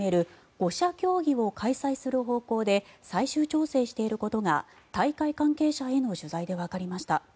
５者協議を開催する方向で最終調整していることが大会関係者への取材でわかりました。